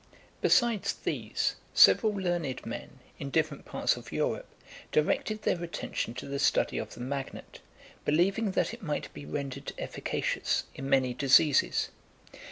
Besides these, several learned men, in different parts of Europe, directed their attention to the study of the magnet, believing that it might be rendered efficacious in many diseases.